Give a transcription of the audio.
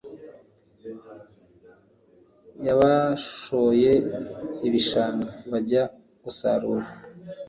yabashoye ibishanga bajya gusarura